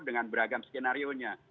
dengan beragam skenario nya